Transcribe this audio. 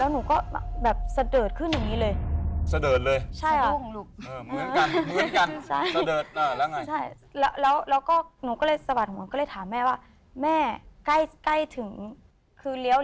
แล้วหนูก็แบบเสดิดขึ้นอยู่นี้เลย